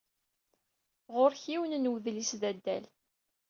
Ɣur-k yiwen n wedlis d adal.